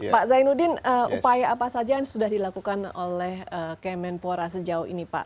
pak zainuddin upaya apa saja yang sudah dilakukan oleh kemenpora sejauh ini pak